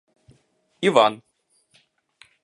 Іван